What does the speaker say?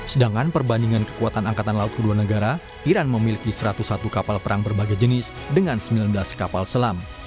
sedangkan perbandingan kekuatan angkatan laut kedua negara iran memiliki satu ratus satu kapal perang berbagai jenis dengan sembilan belas kapal selam